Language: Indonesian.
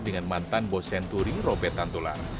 dengan mantan bosenturi robert tantular